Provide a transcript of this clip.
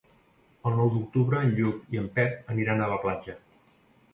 El nou d'octubre en Lluc i en Pep aniran a la platja.